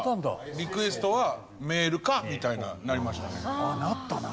リクエストはメールかみたいななりましたね。